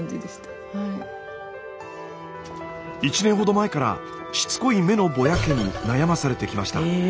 １年ほど前からしつこい目のぼやけに悩まされてきました。